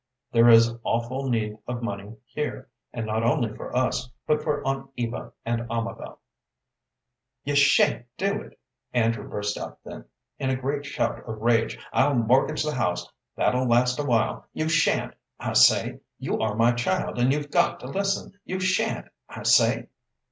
There is awful need of money here, and not only for us, but for Aunt Eva and Amabel." "You sha'n't do it!" Andrew burst out then, in a great shout of rage. "I'll mortgage the house that'll last awhile. You sha'n't, I say! You are my child, and you've got to listen. You sha'n't, I say!"